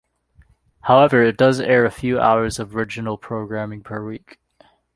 However, it does air a few hours of original programming per week.